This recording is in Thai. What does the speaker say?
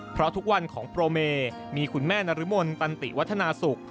เพราะทุกวันของโปรเมมีคุณแม่นรมนตันติวัฒนาศุกร์